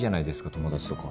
友達とか。